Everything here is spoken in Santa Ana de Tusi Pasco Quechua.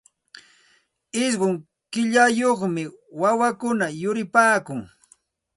Ishqun killayuqmi wawakuna yuripaakun.